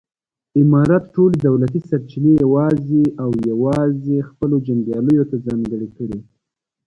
امارت ټولې دولتي سرچینې یوازې او یوازې خپلو جنګیالیو ته ځانګړې کړې.